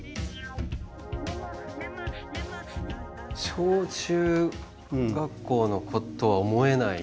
小中学校の子とは思えない。